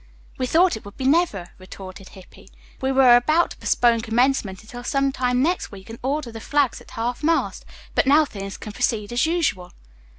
"We thought it would be never," retorted Hippy. "We were about to postpone commencement until some time next week, and order the flags at half mast, but now things can proceed as usual."